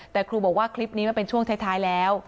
แต่ครูบอกว่าคลิปนี้มันเป็นช่วงท้ายแล้ว